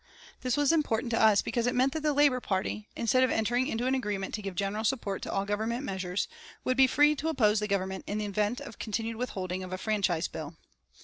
This was important to us because it meant that the Labour Party, instead of entering into an agreement to give general support to all Government measures, would be free to oppose the Government in the event of the continued withholding of a franchise bill.